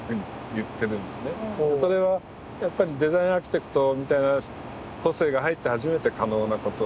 それはやっぱりデザインアーキテクトみたいな個性が入って初めて可能なことで。